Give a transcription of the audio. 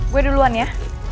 gue duluan ya